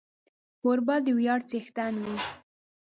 کوربه د ویاړ څښتن وي.